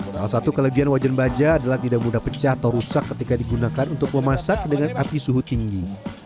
salah satu kelebihan wajan baja adalah tidak mudah pecah atau rusak ketika digunakan untuk memasak dengan api suhu tinggi